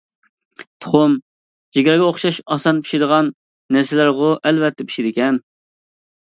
تۇخۇم، جىگەرگە ئوخشاش ئاسان پىشىدىغان نەرسىلەرغۇ ئەلۋەتتە پىشىدىكەن.